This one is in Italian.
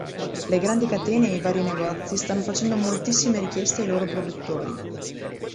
Le grandi catene e i vari negozi stanno facendo moltissime richieste ai loro produttori.